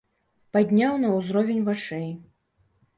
Падняў на ўзровень вачэй.